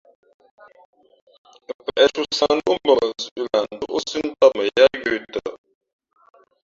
Pěʼtū sáhndóʼ mbᾱ mα zʉ̌ʼ lah ndóʼ zú ntām mα yāā yə̄ tαʼ.